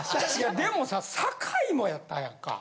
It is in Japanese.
でもさ坂井もやったやんか。